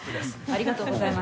ありがとうございます。